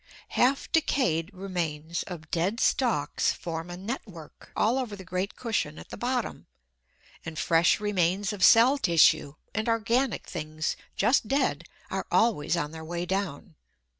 Half decayed remains of dead stalks form a network all over the great cushion at the bottom, and fresh remains of cell tissue and organic things just dead are always on their way down.